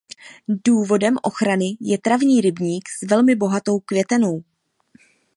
Důvodem ochrany je Travní rybník s velmi bohatou květenou.